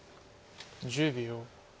１０秒。